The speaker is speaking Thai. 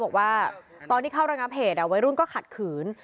บอกว่าตอนที่เข้าระงับเหตุวัยรุ่นก็ขัดขืน